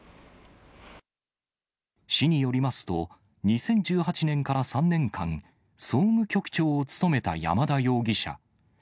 市によりますと、２０１８年から３年間、総務局長を務めた山田容疑者。